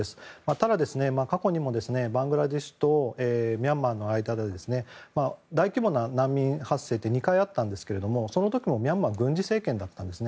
ただ、過去にもバングラデシュとミャンマーの間で大規模な難民発生って２回あったんですが、その時もミャンマーは軍事政権だったんです。